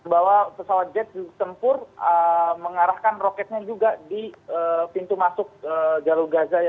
bahwa pesawat jet tempur mengarahkan roketnya juga di pintu masuk jalur gaza